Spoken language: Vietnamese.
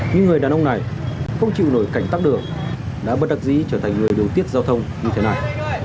những người đàn ông này không chịu nổi cảnh tắt đường đã bất đắc dĩ trở thành người điều tiết giao thông như thế này